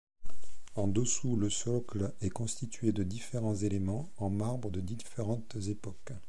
En dessous, le socle est constitué de différents éléments en marbre de différentes époques.